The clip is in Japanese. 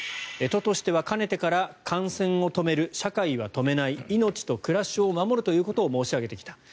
都としてはかねてから感染を止める社会は止めない命と暮らしを守るということを申し上げてきた。